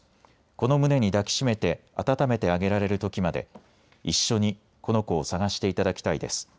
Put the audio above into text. この胸に抱きしめてあたためてあげられるときまで一緒にこの子を探していただきたいです。